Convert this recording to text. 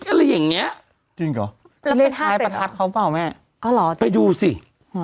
อะไรอย่างเงี้ยจริงเหรอแล้วไปท้ายประทัดเขาเปล่าแม่อ๋อเหรอไปดูสิ